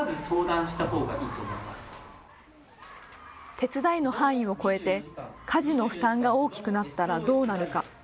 手伝いの範囲を超えて家事の負担が大きくなったらどうなるか。